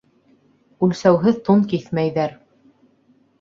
Үлсәүһеҙ тун киҫмәйҙәр.